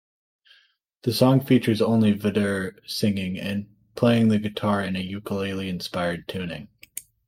The song features only Vedder singing and playing the guitar in a ukulele-inspired tuning.